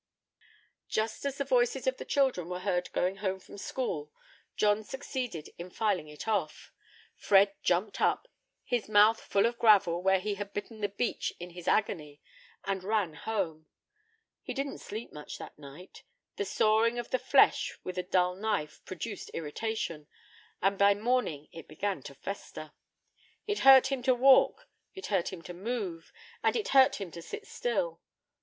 Just as the voices of the children were heard going home from school, John succeeded in filing it off. Fred jumped up, his mouth full of gravel, where he had bitten the beach in his agony, and ran home. He didn't sleep much that night. The sawing of the flesh with a dull knife produced irritation, and by morning it began to fester. It hurt him to walk, it hurt him to move, and it hurt him to sit still.